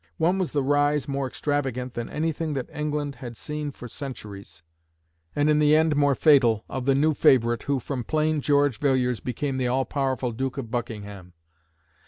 One was the rise, more extravagant than anything that England had seen for centuries, and in the end more fatal, of the new favourite, who from plain George Villiers became the all powerful Duke of Buckingham.